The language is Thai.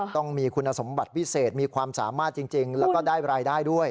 ต้องมีคุณสมบัติพิเศษมีความสามารถจริงแล้วก็ได้รายได้ด้วย